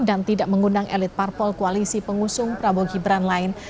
dan tidak mengundang elit parpol koalisi pengusung prabowo gibran lain